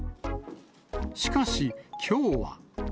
しかし、きょうは。